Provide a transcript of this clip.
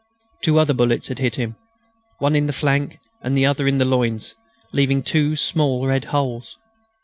Two other bullets had hit him, one in the flank, the other in the loins, leaving two small red holes.